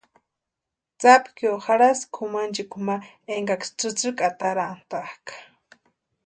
Tsapkio jarhasti kʼumanchikwa ma énkaksï tsïtsïki atarantakʼa.